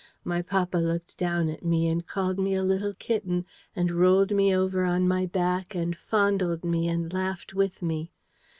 My papa looked down at me, and called me a little kitten, and rolled me over on my back, and fondled me and laughed with me.